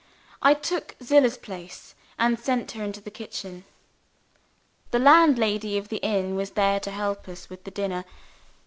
I took Zillah's place, and sent her into the kitchen. The landlady of the inn was there to help us with the dinner.